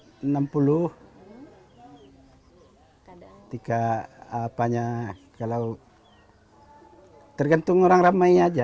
kadang kadang tika apa nya kalau tergantung orang ramai aja